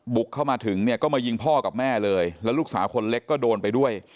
บุกเข้ามาถึงเนี่ยก็มายิงพ่อกับแม่เลยแล้วลูกสาวคนเล็กก็โดนไปด้วย